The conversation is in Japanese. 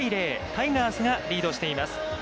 タイガースがリードしています。